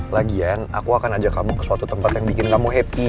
lagian aku akan ajak kamu ke suatu tempat yang bikin kamu happy